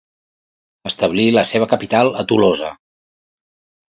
Establí la seva capital a Tolosa.